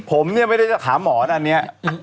ผมเนี่ยไม่ได้จะถามหมอนอันนี้